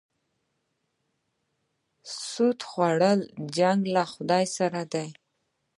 سود خوړل جنګ له خدای سره دی.